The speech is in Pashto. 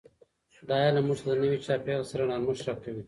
دا علم موږ ته د نوي چاپیریال سره نرمښت راکوي.